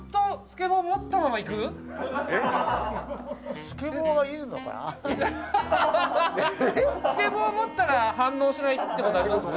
スケボー持ったら反応しないって事あります？